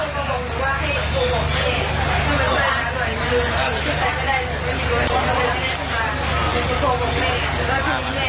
เนื้อหาใจความนะคะลูกสาวคนโตก็บอกว่า